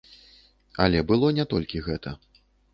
Але было не толькі гэта.